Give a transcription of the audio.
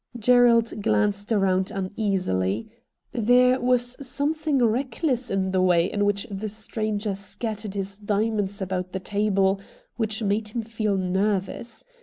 Gerald glanced around uneasily. There was something reckless in the way in which the stranger scattered his diamonds about the table, which made him feel nervous.